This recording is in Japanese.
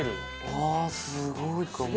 うわあすごいかも。